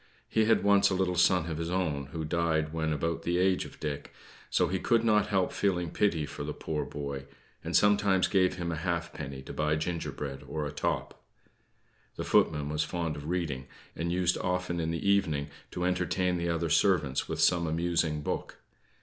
He had once a little son of his own, who died when about the age of Dick; so he could not help feeling pity for the poor boy, and sometimes gave him a halfpenny to buy gingerbread or a top. The footman was fond of reading, and used often in the evening to entertain the other servants with some amusing book.